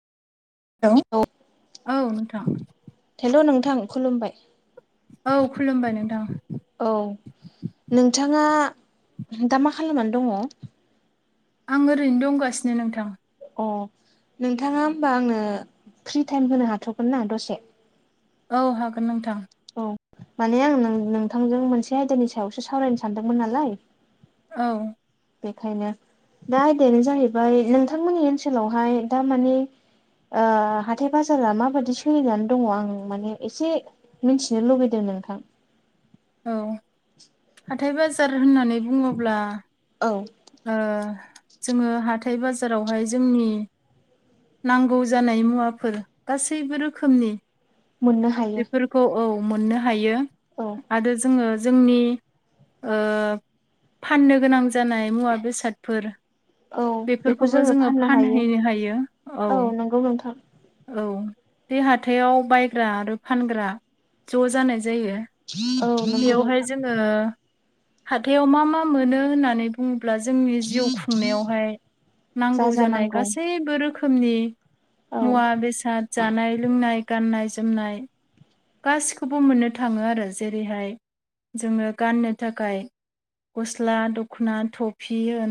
हेल' औ औ नोंथां। हेल' नोंथां खुलुमबाय औ खुलुमबाय नोंथां। औ नोंथाङा दा मा खालामनानै दङ। आं ओरैनो दंगासिनो नोंथां। अ नोंथाङा होमबा आंनो फ्रि टाइम होनो हाथ'गोन ना दसे औ हागोन नोंथां। औ माने आं नों नोंथांजों मोनसे आयदानि सायावसो सावरायनो सानदोंमोन नालाय। औ। बेखायनो दा आयदायानो जाहैबाय नोंथांमोननि ओनसोलावहाय दा मानोना हाथाय बाजारा माबायदि सोलिनानै दङ आं माने एसेबां मिथिनो लुबैदों नोंथां। औ। हाथाय बाजार होननानै बुङोब्ला ओं जोङो हाथाय बाजारावहाय जों नांगौ जानाय मुवाफोर गासैबो रोखोमनि मोननो हायो। खौ औ मोननो हायो औ आरो जोङो। जोंनि ओ फाननो गोनां जानाय ओ मुवा बेसादफोर औ बेखौ बेफोरखौबो जोङो फाननो हायो फानहैनो हायो औ। नंगौ नोंथां ओ औ बे हाथायाव बायग्रा आरो फानग्रा ज' जानाय जायो। औ नंगौ नोंथां। ओ हाथायाव मा मा मोनो होननानैनो बुङोब्ला जोंनि जिउ नोंथां खुंनायावहाय नांगौ जानाय जाजानांगौ गासैबो रोखोमानि रोखोमनि औ मुवा बेसाद जानाय लोंनाय गाननाय जोमनाय। गासिखौबो मोननो थाङो आरो जेरैहाय जोङो गाननो थाखाय गस्ला दख'ना थफि होन।